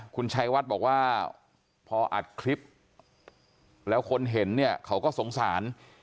คุณชัยวัดบอกว่าพออัดคลิปแล้วคนเห็นเนี่ยเขาก็สงสาร